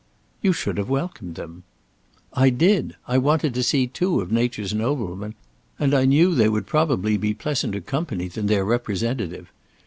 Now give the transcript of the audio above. "You should have welcomed them." "I did. I wanted to see two of nature's noblemen, and I knew they would probably be pleasanter company than their representative.